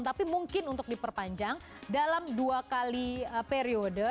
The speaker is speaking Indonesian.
tapi mungkin untuk diperpanjang dalam dua kali periode